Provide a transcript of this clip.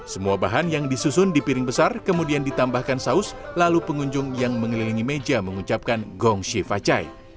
semua bahan yang disusun di piring besar kemudian ditambahkan saus lalu pengunjung yang mengelilingi meja mengucapkan gongsi facai